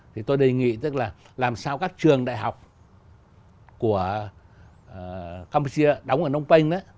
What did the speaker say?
thì tôi đề nghị tức là làm sao các trường đại học của campuchia đóng ở nông phênh đó